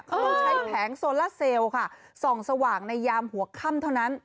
เขาต้องใช้แผงโซล่าเซลล์ค่ะส่องสว่างในยามหัวค่ำเท่านั้น